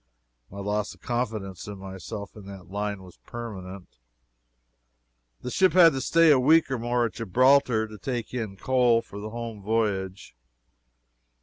My loss of confidence in myself in that line was permanent. The ship had to stay a week or more at Gibraltar to take in coal for the home voyage.